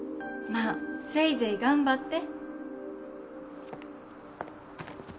まっせいぜい頑張って。